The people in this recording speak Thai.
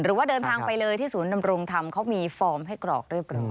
หรือว่าเดินทางไปเลยที่ศูนย์ดำรงธรรมเขามีฟอร์มให้กรอกเรียบร้อย